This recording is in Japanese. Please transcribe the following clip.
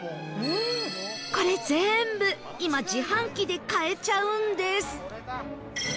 これ全部今自販機で買えちゃうんです